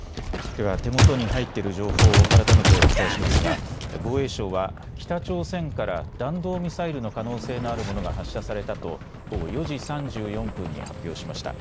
では手元に入っている情報、改めてお伝えしますが防衛省は北朝鮮から弾道ミサイルの可能性のあるものが発射されたと午後４時３４分に発表しました。